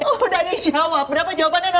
udah dijawab berapa jawabannya